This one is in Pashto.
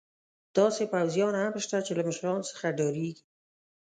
داسې پوځیان هم شته چې له مشرانو څخه ډارېږي.